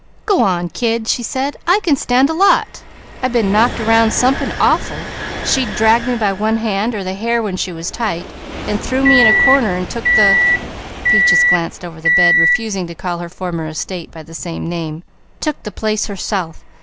"G'wan kid," she said. "I can stand a lot. I been knocked round somepin awful. She dragged me by one hand or the hair when she was tight, and threw me in a corner an' took the" Peaches glanced over the bed, refusing to call her former estate by the same name "took the place herself.